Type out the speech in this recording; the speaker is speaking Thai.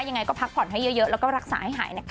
ยังไงก็พักผ่อนให้เยอะแล้วก็รักษาให้หายนะคะ